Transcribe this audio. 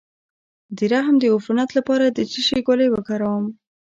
د رحم د عفونت لپاره د څه شي ګولۍ وکاروم؟